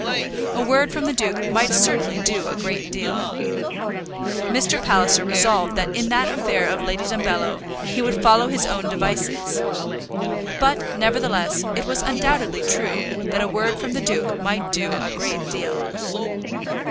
A word from the duke might certainly do a great deal! Mr. Palliser resolved that in that affair of Lady Dumbello he would follow his own devices. But, nevertheless, it was undoubtedly true that a word from the duke might do a great deal!